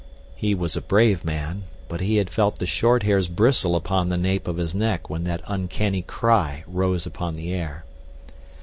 He was a brave man, but he had felt the short hairs bristle upon the nape of his neck when that uncanny cry rose upon the air.